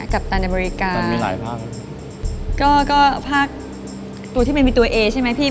กัปตันอเมริกาก็ภาคตัวที่มันมีตัวเอใช่ไหมเนี่ย